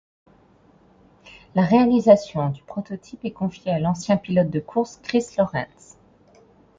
La réalisation du prototype est confiée à l’ancien pilote de course Chris Lawrence.